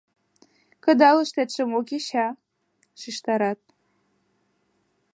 — Кыдалыштетше мо кеча? — шижтарат.